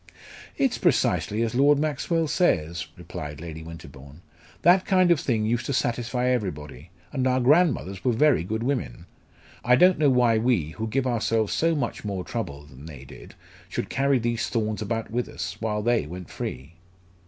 "It's precisely as Lord Maxwell says," replied Lady Winterbourne; "that kind of thing used to satisfy everybody. And our grandmothers were very good women. I don't know why we, who give ourselves so much more trouble than they did, should carry these thorns about with us, while they went free."